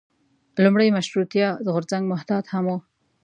لومړی مشروطیه غورځنګ محتاط هم و.